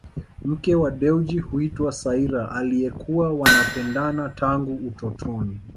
Mke wa Dewji huitwa Saira aliyekuwa wanapendana tangu utotoni